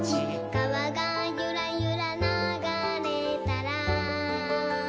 「かわがゆらゆらながれたら」